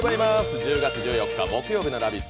１０月１４日木曜日の「ラヴィット！」